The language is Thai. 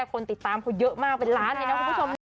คุณติดตามต่อไปเขาเยอะมากเป็นล้านนะคุณผู้ชม